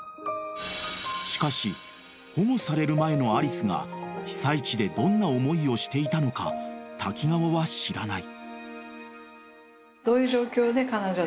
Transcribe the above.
［しかし保護される前のアリスが被災地でどんな思いをしていたのか滝川は知らない］